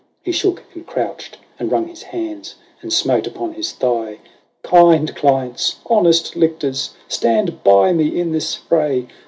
He shook, and crouched, and wrung his hands, and smote upon his thigh " Kind clients, honest lictors, stand by me in this fray